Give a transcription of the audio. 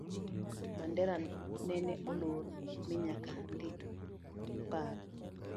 Bendera nene olor, ni nyaka dik paro